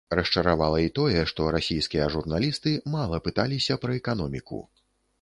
Расчаравала і тое, што расійскія журналісты мала пыталіся пра эканоміку.